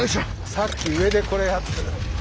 さっき上でこれやってた。